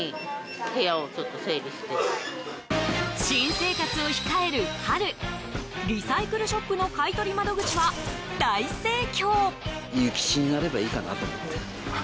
新生活を控える春リサイクルショップの買い取り窓口は大盛況。